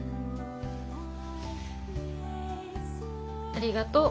ありがとう。